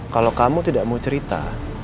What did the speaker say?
kalau kamu tidak mau cerita